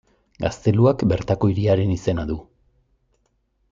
Gazteluak bertako hiriaren izena du.